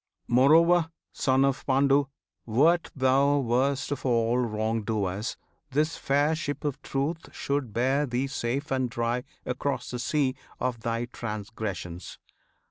Moreover, Son of Pandu! wert thou worst Of all wrong doers, this fair ship of Truth Should bear thee safe and dry across the sea Of thy transgressions.